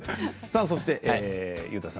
そして優汰さん